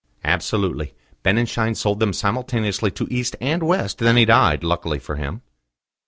"Absolutely. Benninschein sold them simultaneously to East and West; then he died, luckily for him."